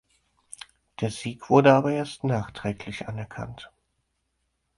Der Sieg wurde aber erst nachträglich anerkannt.